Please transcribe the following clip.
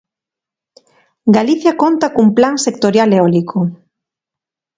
Galicia conta cun plan sectorial eólico.